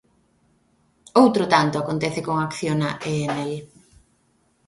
Outro tanto acontece con Acciona e Enel.